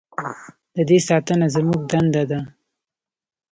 د دې ساتنه زموږ دنده ده